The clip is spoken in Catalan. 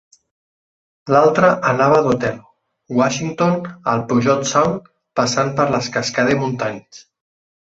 L'altre anava d'Othello, Washington, al Puget Sound, passant per les Cascade Mountains.